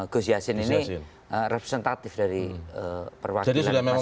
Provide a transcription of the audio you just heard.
gus yassin ini representatif dari perwakilan masyarakat